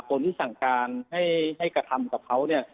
คนที่สั่งการให้กระทำกับเขาเนี่ย